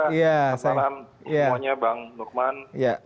selamat malam semuanya bang nurman